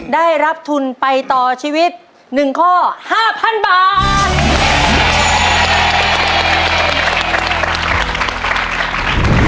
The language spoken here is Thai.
ได้รับทุนไปต่อชีวิต๑ข้อ๕๐๐๐บาท